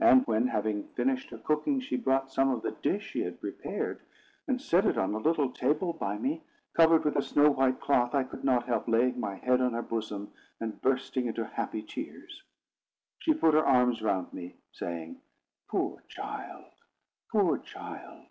And when, having finished her cooking, she brought some of the dish she had prepared, and set it on a little table by me, covered with a snow white cloth, I could not help laying my head on her bosom, and bursting into happy tears. She put her arms round me, saying, "Poor child; poor child!"